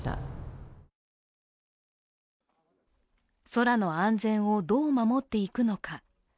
空の安全をどう守っていくのか。